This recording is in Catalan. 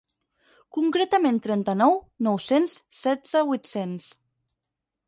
Concretament trenta-nou.nou-cents setze.vuit-cents.